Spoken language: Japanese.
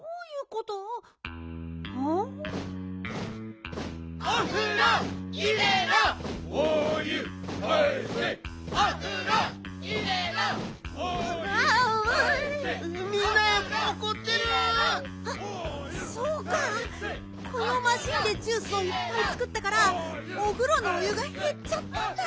このマシンでジュースをいっぱいつくったからおふろのお湯がへっちゃったんだ！